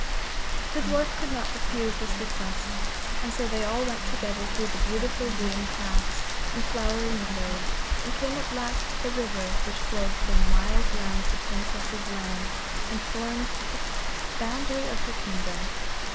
The dwarf could not refuse this request, and so they all went together through the beautiful green paths and flowery meadows, and came at last to the river which flowed for miles round the Princess's land and formed the boundary of her kingdom.